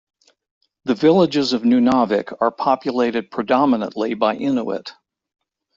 The villages of Nunavik are populated predominately by Inuit.